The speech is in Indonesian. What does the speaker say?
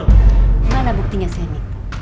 gimana buktinya semi